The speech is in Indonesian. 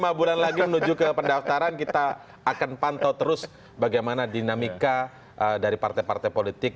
lima bulan lagi menuju ke pendaftaran kita akan pantau terus bagaimana dinamika dari partai partai politik